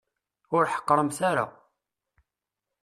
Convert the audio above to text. Ur ḥeqqremt ara.